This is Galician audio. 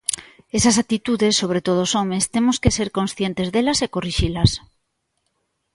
Esas actitudes, sobre todo os homes, temos que ser conscientes delas e corrixilas.